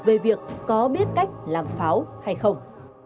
về việc có biết cách làm pháo hay không